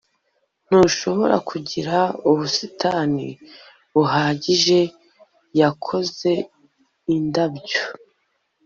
Ntushobora kugira ubusitani buhagije Yakoze indabyo